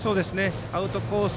アウトコース